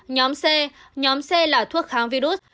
nhóm c nhóm c là thuốc kháng virus